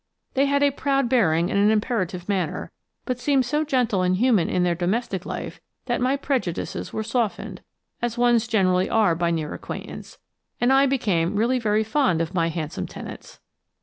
They had a proud bearing and an imperative manner, but seemed so gentle and human in their domestic life that my prejudices were softened, as one's generally are by near acquaintance, and I became really very fond of my handsome tenants.